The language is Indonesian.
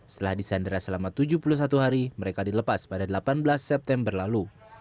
setelah disandera selama tujuh puluh satu hari mereka dilepas pada delapan belas september lalu